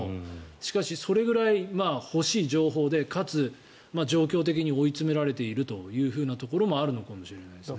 しかしそれぐらい欲しい情報でかつ状況的に追い詰められているというふうなところもあるのかもしれないですね。